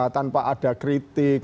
tanpa ada kritik